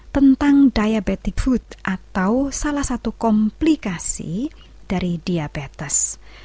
tentang diabetic food atau salah satu komplikasi dari diabetes